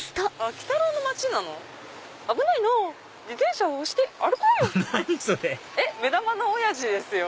それ目玉のおやじですよ。